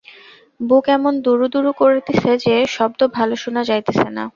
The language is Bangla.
বুক এমন দুড়দুড় করিতেছে যে, শব্দ ভাল শুনা যাইতেছে না।